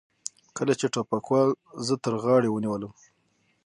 کله چې ټوپکوال زه تر غاړې ونیولم.